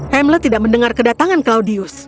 hamlet tidak mendengar kedatangan claudius